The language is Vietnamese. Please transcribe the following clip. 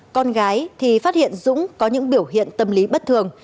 con gái thì phát hiện dũng có những biểu hiện tâm lý bất thường